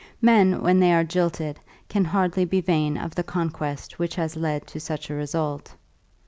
Men when they are jilted can hardly be vain of the conquest which has led to such a result.